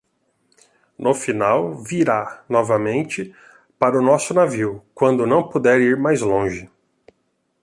No final, virá, novamente, para o nosso navio, quando não puder ir mais longe.